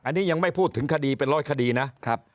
อันนี้ยังไม่พูดถึงคดีเป็นร้อยคดีนะครับ